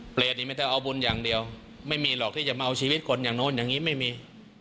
ไม่ต้องเอาบุญอย่างเดียวไม่มีหรอกที่จะมาเอาชีวิตคนอย่างนู้นอย่างนี้ไม่มี